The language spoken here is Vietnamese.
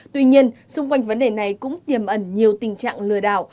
tuy nhiên xung quanh vấn đề này cũng tiềm ẩn nhiều tình trạng lừa đảo